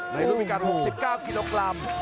ในรุมยุคการ๖๙เกิลกรัม